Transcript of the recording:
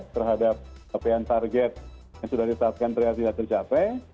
terhadap pekerjaan target yang sudah ditetapkan terhati hati tercapai